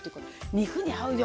肉に合うよ。